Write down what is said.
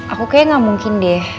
aku kayaknya gak mungkin deh